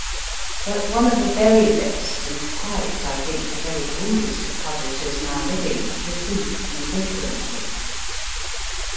But one of the very best, and quite, I think, the very oldest of publishers now living, received me differently.